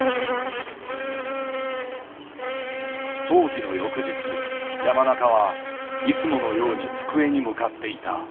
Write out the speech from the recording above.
葬儀の翌日山中はいつものように机に向かっていた。